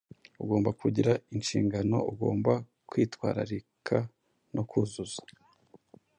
ugomba kugira inshingano ugomba kwitwararika no kuzuza.”